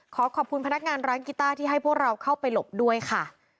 ขอขอบคุณพนักงานร้านกีต้าที่ให้พวกเราเข้าไปหลบด้วยค่ะ